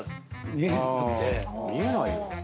見えないよ。